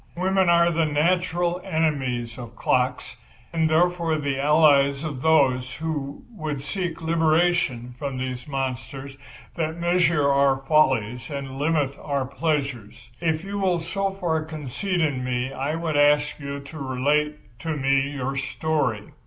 Women are the natural enemies of clocks, and, therefore, the allies of those who would seek liberation from these monsters that measure our follies and limit our pleasures. If you will so far confide in me I would ask you to relate to me your story."